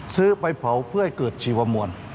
ไปเผาเพื่อให้เกิดชีวมวล